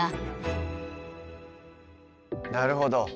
なるほど。